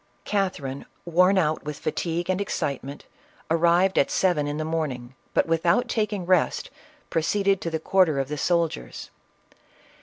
Catherine, worn out with fatigue and excitement, ar 404 CATHERINE OF RUSSIA. rived at seven in the morning, but without taking rest, proceeded to the quarter of the soldiers.